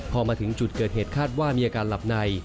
พอมาถึงจุดเกิดเหตุคาดว่ามีอาการหลับใน